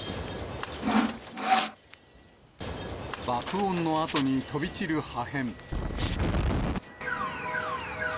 爆音のあとに飛び散る破片。